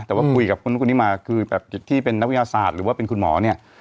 แต่ว่าคุยกับคนทีนี่มาแบบที่เป็นนักพยาศาสตร์หรือว่าเป็นคุณหมอไม่